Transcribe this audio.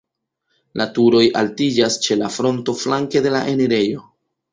La turoj altiĝas ĉe la fronto flanke de la enirejo.